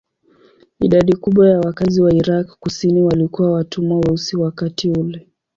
Idadi kubwa ya wakazi wa Irak kusini walikuwa watumwa weusi wakati ule.